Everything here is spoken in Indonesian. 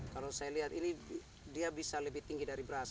kalau saya lihat ini dia bisa lebih tinggi dari beras